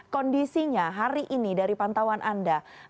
kondisinya hari ini dari pantauan anda